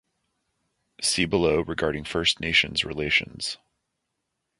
See below regarding First Nations relations.